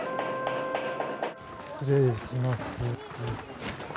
失礼します。